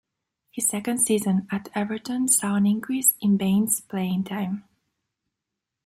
His second season at Everton saw an increase in Baines's playing time.